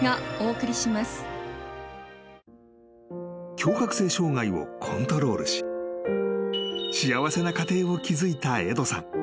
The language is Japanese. ［強迫性障がいをコントロールし幸せな家庭を築いたエドさん］